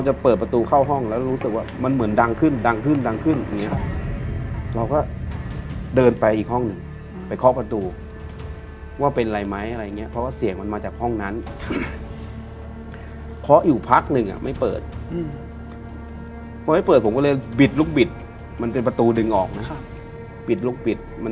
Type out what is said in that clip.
พอเปิดประตูออกมาก็เดินไปเข้าห้องน้ำ